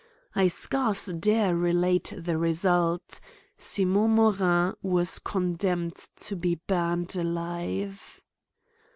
I scarce dare relate the result — Simon Morin was condemned to be burned alive.